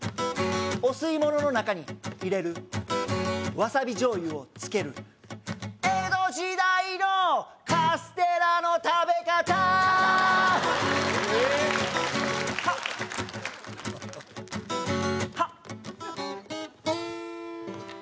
お吸い物の中に入れるわさび醤油をつける江戸時代のカステラの食べ方ハッハッ